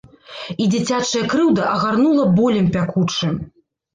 І дзіцячая крыўда агарнула болем пякучым.